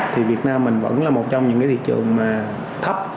thì việt nam mình vẫn là một trong những cái thị trường thấp